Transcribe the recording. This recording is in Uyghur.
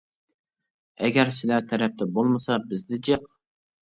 ئەگەر سىلەر تەرەپتە بولمىسا بىزدە جىق.